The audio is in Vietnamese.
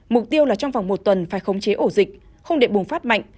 mục tiêu là trong vòng một tuần phải khống chế ổ dịch không để bùng phát mạnh